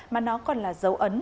mà nó còn là dấu ấn